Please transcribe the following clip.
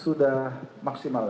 sudah maksimal lagi